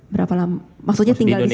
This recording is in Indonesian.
berapa lama maksudnya tinggal di sini